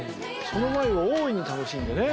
その前を大いに楽しんでね。